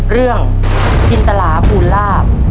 เรื่องจินตราภูราบ